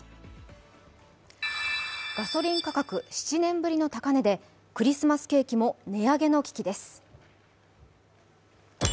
ガソリン価格、７年ぶりの高値でクリスマス景気も値上げの危機です。